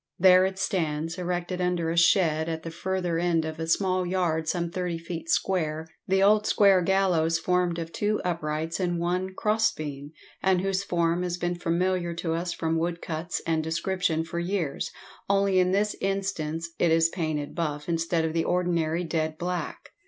There it stands, erected under a shed at the further end of a small yard some thirty feet square, the old square gallows formed of two uprights and one crosebeam, and whose form has been familiar to us from woodcuts and description for years, only in this instance it is painted buff instead of the ordinary dead black.